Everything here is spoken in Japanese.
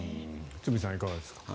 堤さん、いかがですか？